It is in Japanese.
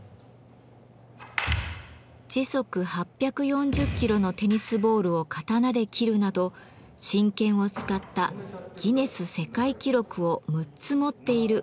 時速８４０キロのテニスボールを刀で斬るなど真剣を使ったギネス世界記録を６つ持っている現代の侍です。